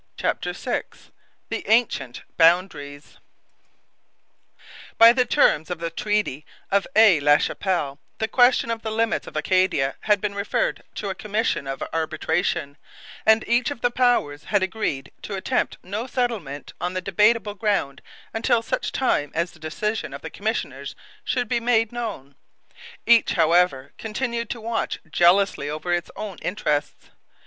CHAPTER VI THE 'ANCIENT BOUNDARIES' By the terms of the Treaty of Aix la Chapelle the question of the limits of Acadia had been referred to a commission of arbitration, and each of the powers had agreed to attempt no settlement on the debatable ground until such time as the decision of the commissioners should be made known. Each, however, continued to watch jealously over its own interests.